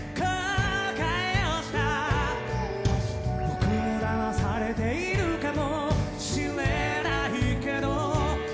「僕も騙されているかもしれないけど」